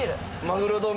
マグロ丼。